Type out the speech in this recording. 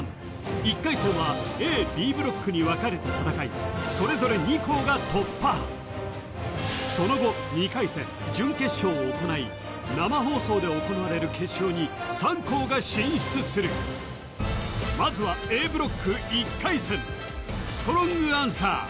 １回戦はＡＢブロックに分かれて戦いそれぞれ２校が突破その後２回戦準決勝を行い生放送で行われる決勝に３校が進出するまずはＡブロック１回戦ストロングアンサー